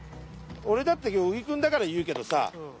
だって今日小木くんだから言うけどさあ。